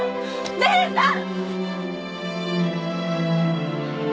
姉さん！！